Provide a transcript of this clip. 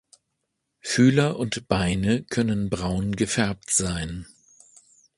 Fühler und Beine können braun gefärbt sein.